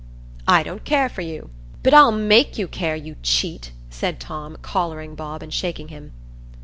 "I don't care for you." "But I'll make you care, you cheat," said Tom, collaring Bob and shaking him.